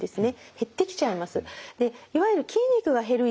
減ってきちゃいます。